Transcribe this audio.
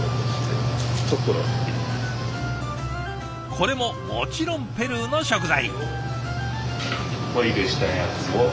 これももちろんペルーの食材。